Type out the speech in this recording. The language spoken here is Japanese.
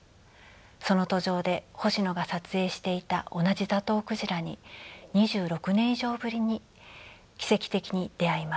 その途上で星野が撮影していた同じザトウクジラに２６年以上ぶりに奇跡的に出会います。